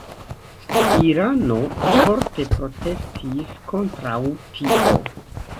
Irano forte protestis kontraŭ tio.